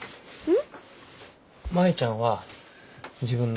うん。